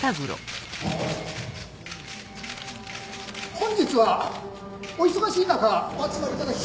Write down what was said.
本日はお忙しい中お集まりいただき。